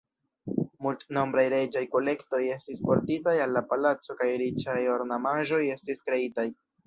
Multnombraj reĝaj kolektoj estis portitaj al la palaco kaj riĉaj ornamaĵoj estis kreitaj.